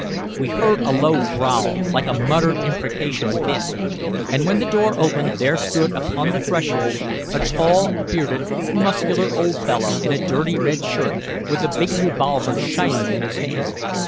We heard a low growl like a muttered imprecation within, and when the door opened there stood upon the threshold a tall, bearded, muscular old fellow in a dirty red shirt, with a big revolver shining in his hand.